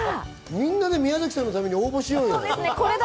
みんなで宮崎さんのために応募しようよ。